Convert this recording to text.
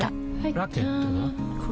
ラケットは？